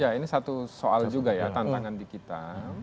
ya ini satu soal juga ya tantangan di kita